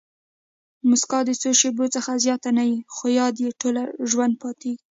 مسکا د څو شېبو څخه زیاته نه يي؛ خو یاد ئې ټوله ژوند پاتېږي.